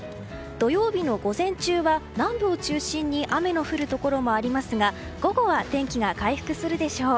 土曜日の午前中は南部を中心に雨の降るところもありますが午後は、天気が回復するでしょう。